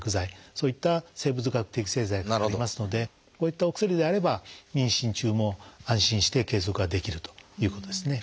そういった生物学的製剤がありますのでこういったお薬であれば妊娠中も安心して継続ができるということですね。